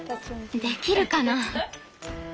できるかな。